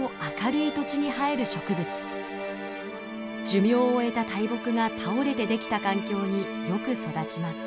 寿命を終えた大木が倒れてできた環境によく育ちます。